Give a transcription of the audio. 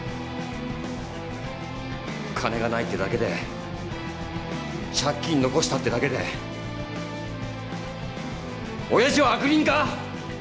金がないってだけで借金残したってだけでおやじは悪人か？